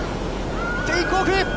テイクオフ。